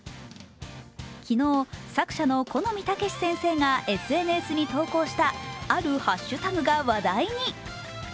昨日、作者の許斐剛先生がＳＮＳに投稿したあるハッシュタグが話題に。